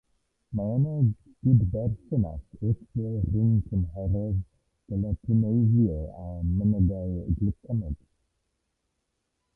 Mae yna gydberthynas wrthdro rhwng tymheredd gelatineiddio a mynegai glycemig.